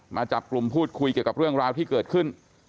มาจับกลุ่มพูดคุยเกี่ยวกับเรื่องราวที่เกิดขึ้น